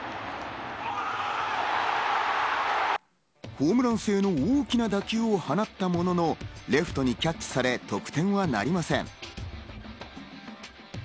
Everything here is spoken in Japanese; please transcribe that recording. ホームラン性の大きな打球を放ったものの、レフトにキャッチされ、得点はなりません。